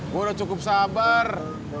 gue udah cukup sabar